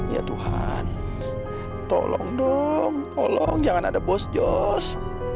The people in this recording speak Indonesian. ya tuhan tolong dong tolong jangan ada bos jos